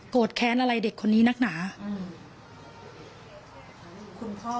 โกรธแค้นอะไรเด็กคนนี้นักหนาอืมคุณพ่อของน้อง